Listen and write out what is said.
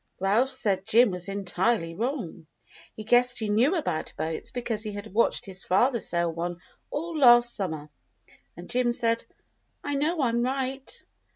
Ralph said Jim was entirely wrong. He guessed he knew about boats because he had watched his father sail one all last summer. And Jim said, "I know I'm right."